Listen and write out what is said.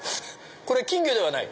これ金魚ではない？